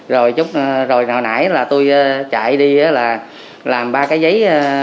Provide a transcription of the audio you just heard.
rồi hồi nãy là tôi chạy đi làm ba cái giấy